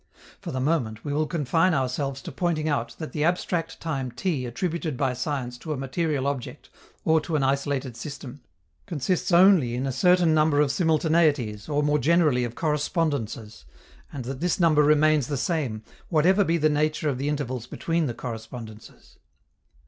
For the moment, we will confine ourselves to pointing out that the abstract time t attributed by science to a material object or to an isolated system consists only in a certain number of simultaneities or more generally of correspondences, and that this number remains the same, whatever be the nature of the intervals between the correspondences.